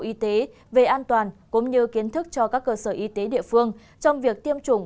y tế về an toàn cũng như kiến thức cho các cơ sở y tế địa phương trong việc tiêm chủng